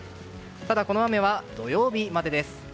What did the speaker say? ただ、この雨は土曜日までです。